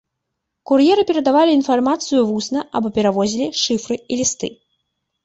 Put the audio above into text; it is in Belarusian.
Кур'еры перадавалі інфармацыю вусна або перавозілі шыфры і лісты.